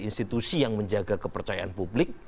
institusi yang menjaga kepercayaan publik